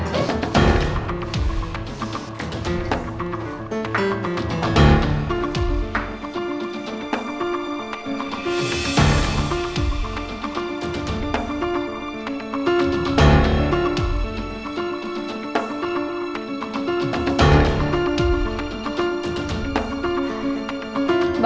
aku gak mau disini